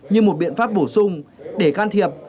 như một biện pháp bổ sung để can thiệp